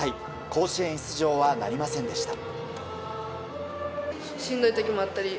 甲子園出場はなりませんでした。